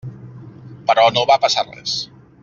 Però no va passar res.